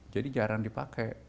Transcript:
jadi jarang dipakai